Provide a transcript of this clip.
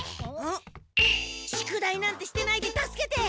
宿題なんてしてないで助けて！